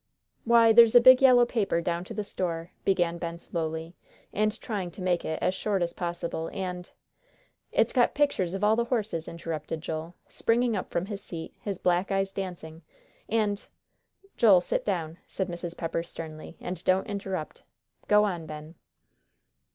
"Why, there's a big yellow paper down to the store," began Ben, slowly, and trying to make it as short as possible, "and " "It's got pictures of all the horses," interrupted Joel, springing up from his seat, his black eyes dancing, "and " "Joel, sit down," said Mrs. Pepper, sternly, "and don't interrupt. Go on, Ben."